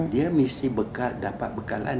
dia mesti dapat bekalan